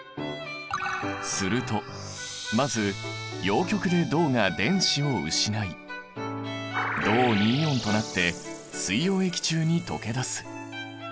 するとまず陽極で銅が電子を失い銅イオンとなって水溶液に溶け出す。